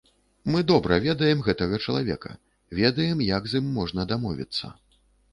Мы добра ведаем гэтага чалавека, ведаем, як з ім можна дамовіцца.